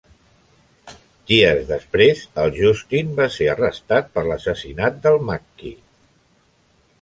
Dies després, el Justin va ser arrestat per l'assassinat del Macki.